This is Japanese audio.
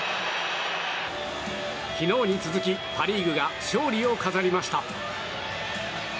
昨日に続きパ・リーグが勝利を飾りました。